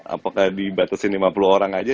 apakah dibatasi lima puluh orang aja